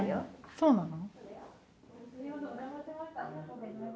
そうなの？